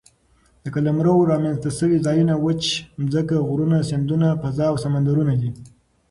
د قلمرو رامنځ ته سوي ځایونه وچه مځکه، غرونه، سیندونه، فضاء او سمندرونه دي.